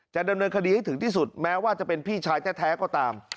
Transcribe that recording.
ดำเนินคดีให้ถึงที่สุดแม้ว่าจะเป็นพี่ชายแท้ก็ตาม